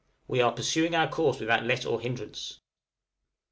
We are pursuing our course without let or hindrance.